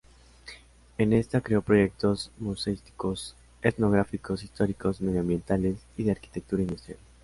En esta creó proyectos museísticos, etnográficos, históricos, medioambientales y de arquitectura industrial.